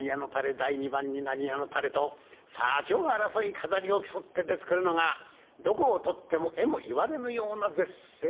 第二番に何屋の誰と先を争い飾りを競って出てくるのがどこを取ってもえも言われぬような絶世の美人揃いだ」。